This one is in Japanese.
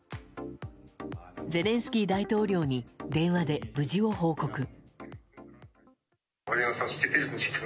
ゼレンスキー大統領に電話で無事を報告。